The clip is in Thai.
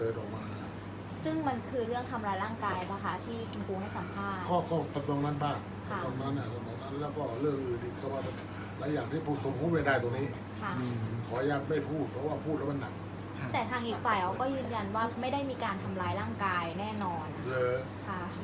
อันไหนที่มันไม่จริงแล้วอาจารย์อยากพูด